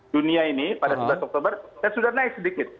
dunia ini pada sebelas oktober dan sudah naik sedikit